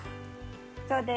そうです。